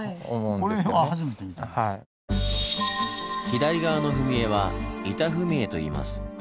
左側の踏み絵は「板踏絵」といいます。